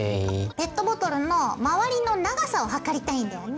ペットボトルの周りの長さを測りたいんだよね。